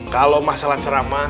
kalau masalah seramah